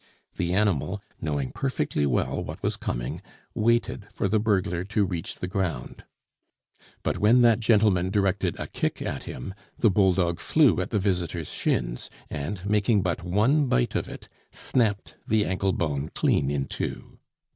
The animal, knowing perfectly well what was coming, waited for the burglar to reach the ground; but when that gentleman directed a kick at him, the bull dog flew at the visitor's shins, and, making but one bite of it, snapped the ankle bone clean in two.